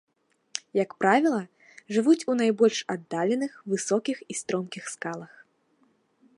Як правіла, жывуць у найбольш аддаленых, высокіх і стромкіх скалах.